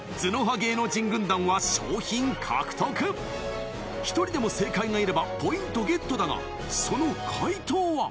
芸能人軍団は賞品獲得１人でも正解がいればポイントゲットだがその解答は？